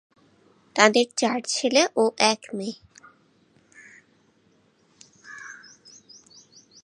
তাদের চার ছেলে ও এক মেয়ে।